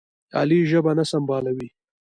علي ژبه نه سنبالوي.